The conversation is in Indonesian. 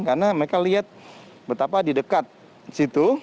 karena mereka lihat betapa di dekat situ